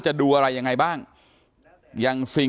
การแก้เคล็ดบางอย่างแค่นั้นเอง